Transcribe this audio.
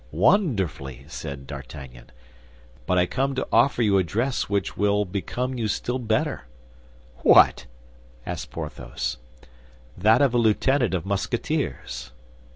"Wonderfully," said D'Artagnan; "but I come to offer you a dress which will become you still better." "What?" asked Porthos. "That of a lieutenant of Musketeers."